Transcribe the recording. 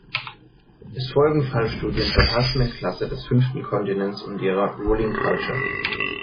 Es folgen Fallstudien zur herrschenden Klasse des Fünften Kontinents und ihrer „"Ruling Culture"“.